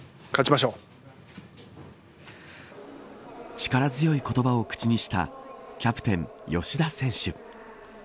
力強い言葉を口にしたキャプテン吉田選手。